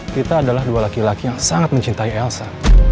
kita adalah dua laki laki yang sangat mencintai elsa